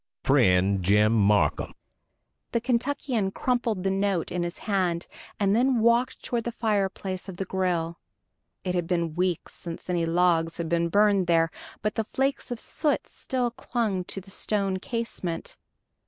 Friend JIM MARCUM." The Kentuckian crumpled the note in his hand, and then walked toward the fireplace of the grill. It had been weeks since any logs had been burned there, but the flakes of soot still clung to the stone casement.